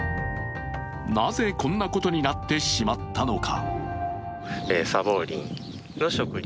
なぜ、こんなことになってしまったのか。